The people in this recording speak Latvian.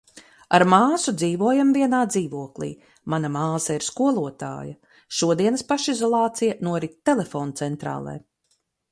Ar māsu dzīvojam vienā dzīvoklī. Mana māsa ir skolotāja. Šodienas pašizolācija norit telefoncentrālē...